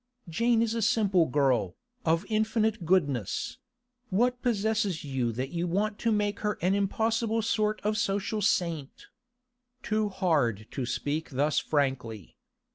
Jane is a simple girl, of infinite goodness; what possesses you that you want to make her an impossible sort of social saint?' Too hard to speak thus frankly.